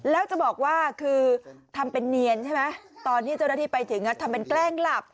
แล้วจะบอกว่าคือทำเป็นเนียนใช่ไหมตอนที่เจ้าหน้าที่ไปถึงทำเป็นแกล้งหลับ